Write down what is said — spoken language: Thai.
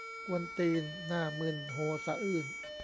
กวนตีน หน้ามึน โฮสะอื้น